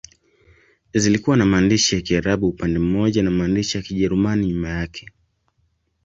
Zilikuwa na maandishi ya Kiarabu upande mmoja na maandishi ya Kijerumani nyuma yake.